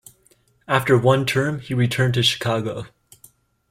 After one term, he returned to Chicago.